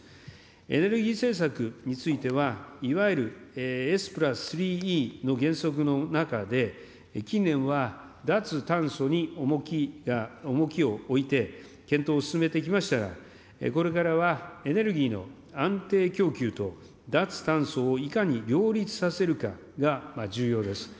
エネルギー政策については、いわゆるＳプラス３Ｅの原則の中で、近年は脱炭素に重きを置いて、検討を進めてきましたが、これからはエネルギーの安定供給と脱炭素をいかに両立させるかが重要です。